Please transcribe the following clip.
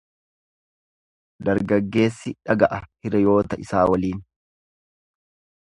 Dargaggeessi dhaga'a hiriyoota isaa waliin.